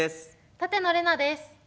舘野伶奈です。